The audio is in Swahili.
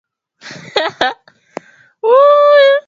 ya joto ambayo pengine itakayokuwa ni mwezi